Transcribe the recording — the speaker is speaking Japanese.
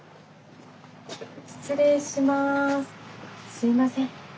すいません。